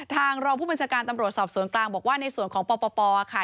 รองผู้บัญชาการตำรวจสอบสวนกลางบอกว่าในส่วนของปปค่ะ